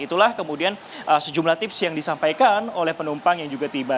itulah kemudian sejumlah tips yang disampaikan oleh penumpang yang juga tiba